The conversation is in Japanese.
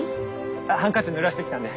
ハンカチぬらして来たんで。